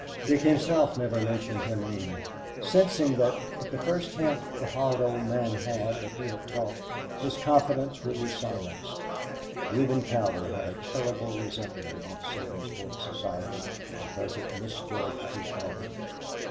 Dick himself never mentioned her name, sensing that, at the first hint the hard old man had that he had talked, his confidence would be silenced. Reuben Cowder had a terrible resentment against Sabinsport society because it misjudged his daughter.